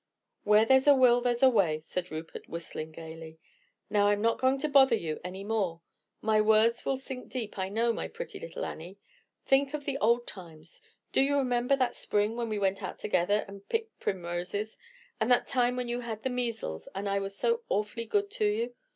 "Where there's a will there's a way," said Rupert, whistling gaily. "Now I'm not going to bother you any more. My words will sink deep, I know, my pretty little Annie. Think of the old times. Do you remember that spring when we went out together and picked primroses, and that time when you had the measles, and I was so awfully good to you?